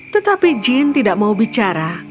tetapi jin tidak mau bicara